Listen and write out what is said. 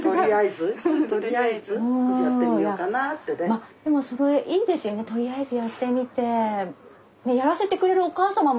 まあでもそれいいですよねとりあえずやってみて。